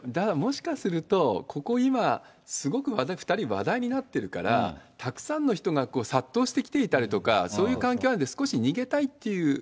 もしかすると、ここ、今、すごく２人話題になってるから、たくさんの人が殺到してきていたりとか、そういう環境なんで、少し逃げたいっていう。